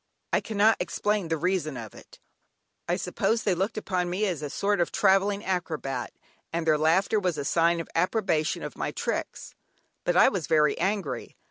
I cannot explain the reason of it; I suppose they looked upon me as a sort of travelling acrobat, and their laughter was a sign of approbation of my tricks. But I was very angry.